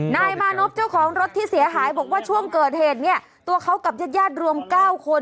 นายมานพเจ้าของรถที่เสียหายบอกว่าช่วงเกิดเหตุเนี่ยตัวเขากับญาติญาติรวม๙คน